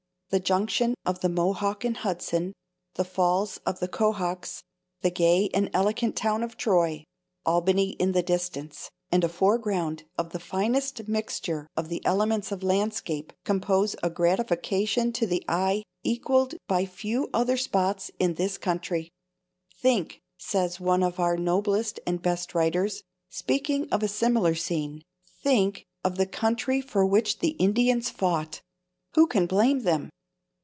The junction of the Mohawk and Hudson, the Falls of the Cohocs, the gay and elegant town of Troy, Albany in the distance, and a foreground of the finest mixture of the elements of landscape, compose a gratification to the eye equalled by few other spots in this country. "Think," says one of our noblest and best writers, speaking of a similar scene—"think of the country for which the Indians fought! Who can blame them?